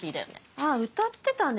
あぁ歌ってたね。